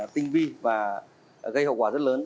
tinh vi và gây hậu quả rất lớn